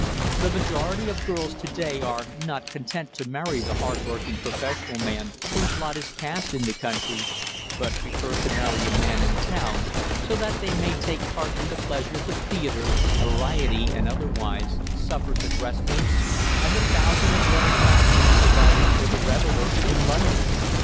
The majority of girls to day are not content to marry the hard working professional man whose lot is cast in the country, but prefer to marry a man in town, so that they may take part in the pleasures of theatres, variety and otherwise, suppers at restaurants, and the thousand and one attractions provided for the reveller in London.